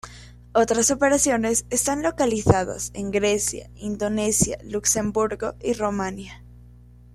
Otras operaciones están localizadas en Grecia, Indonesia, Luxemburgo y Rumania.